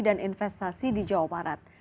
dan investasi di jawa barat